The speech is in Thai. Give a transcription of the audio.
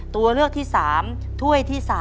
ตัวเลือกที่๓ถ้วยที่๓